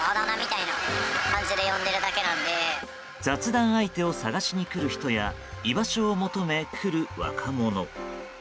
雑談相手を探しに来る人や居場所を求め、来る若者。